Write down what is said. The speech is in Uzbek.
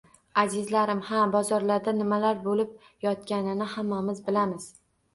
–Azizlar! Ha, bozorlarda nimalar bo‘lib yotganini hammamiz bilamiz!